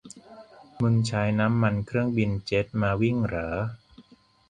มึงใช้น้ำมันเครื่องบินเจ็ตมาวิ่งเหรอ